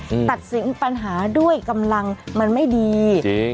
อืมตัดสินปัญหาด้วยกำลังมันไม่ดีจริง